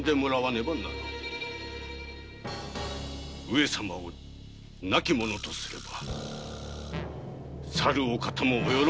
上様を亡き者とすればさるお方もお喜びになる。